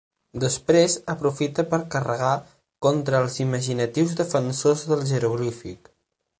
Després aprofita per carregar contra els imaginatius defensors del jeroglífic.